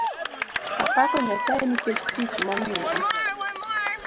Apako Nyasaye nikech tich momiya